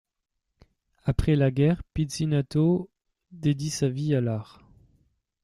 Après la guerre Pizzinato dédie sa vie à l'art.